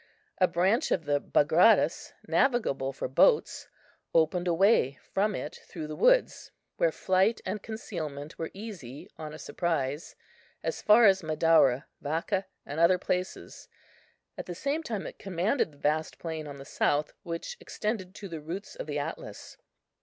A branch of the Bagradas, navigable for boats, opened a way from it through the woods, where flight and concealment were easy on a surprise, as far as Madaura, Vacca, and other places; at the same time it commanded the vast plain on the south which extended to the roots of the Atlas.